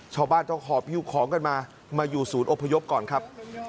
ชาวบ้านต้องหอบฮิ้วของกันมามาอยู่ศูนย์อพยพก่อนครับ